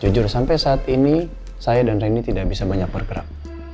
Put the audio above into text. jujur sampai saat ini saya dan reni tidak bisa banyak bergerak